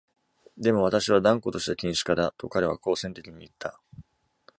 「でも私は断固とした禁酒家だ」と彼は好戦的に言った。